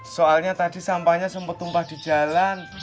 soalnya tadi sampahnya sempat tumpah di jalan